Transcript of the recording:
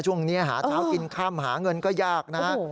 ช่วงนี้หาเช้ากินค่ำหาเงินก็ยากนะฮะ